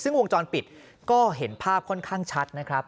ซึ่งวงจรปิดก็เห็นภาพค่อนข้างชัดนะครับ